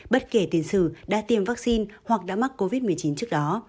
bất kể tiền sử đã tiêm vaccine hoặc đã mắc covid một mươi chín trước đó